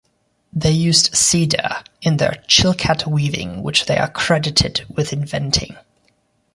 They used cedar in their Chilkat weaving, which they are credited with inventing.